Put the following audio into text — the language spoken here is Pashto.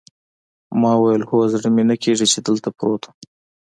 ما وویل: هو، زړه مې نه کېږي چې دلته پروت وم.